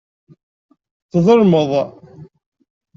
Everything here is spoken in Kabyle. Tḍelmeḍ.